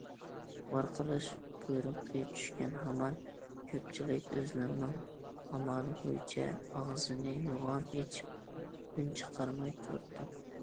ۋارقىراش بۇيرۇقى چۈشكەن ھامان كۆپچىلىك ئۆزلىرىنىڭ ئامالى بويىچە ئاغزىنى يوغان ئېچىپ ئۈن چىقارماي تۇرۇپتۇ.